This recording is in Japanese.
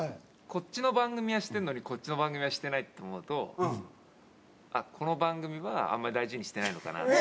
こっちの番組はしてるのにこっちの番組はしてないって思うとあっこの番組はあんまり大事にしてないのかな。